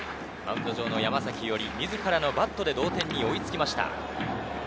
マウンド上の山崎伊織、自らのバットで同点に追いつきました。